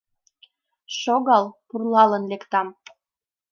— Шогал, пурлалын лектам...